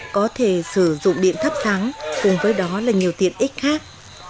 có thể sử dụng điện thấp thắng cùng với đó là nhiều tiện ích khác